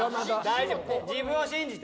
自分を信じて。